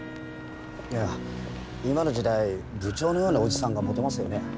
いや今の時代部長のようなおじさんがモテますよね。